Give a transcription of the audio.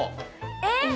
えっ！？